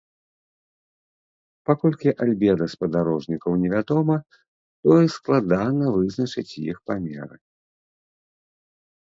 Паколькі альбеда спадарожнікаў невядома, тое складана вызначыць іх памеры.